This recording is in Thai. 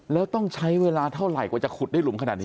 แล้วต้องใช้เวลาเท่าไหร่กว่าจะขุดได้หลุมขนาดนี้